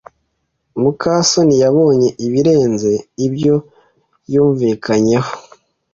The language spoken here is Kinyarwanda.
muka soni yabonye ibirenze ibyo yumvikanyeho.